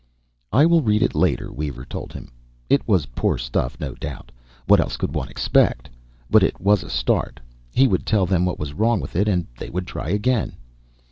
"I will read it later," Weaver told him. It was poor stuff, no doubt what else could one expect? but it was a start. He would tell them what was wrong with it, and they would try again.